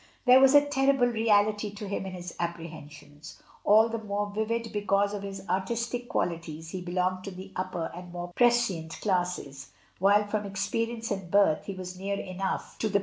There was a terrible reality to him in his apprehensions, all the more vivid be cause from his artistic qualities he belonged to the upper and more prescient classes, while from ex perience and birth he was near enough to the 86 MRS.